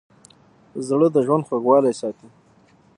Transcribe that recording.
زړه د ژوند خوږوالی ساتي.